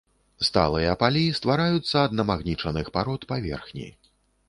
Сталыя палі ствараюцца ад намагнічаных парод паверхні.